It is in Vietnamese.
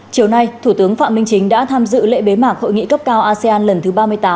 chiều nay thủ tướng phạm minh chính đã tham dự lễ bế mạc hội nghị cấp cao asean lần thứ ba mươi tám ba mươi chín